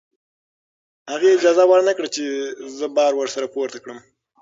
هغې اجازه ورنکړه چې زه بار ورسره پورته کړم.